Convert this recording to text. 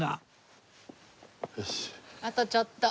あとちょっと。